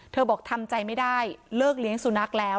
บอกทำใจไม่ได้เลิกเลี้ยงสุนัขแล้ว